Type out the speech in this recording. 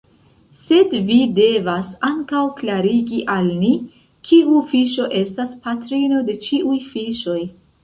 Sed vi devas ankaŭ klarigi al ni: kiu fiŝo estas patrino de ĉiuj fiŝoj?